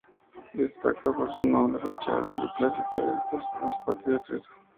Destaca por su noble fachada neoclásica destacándose su patio de acceso.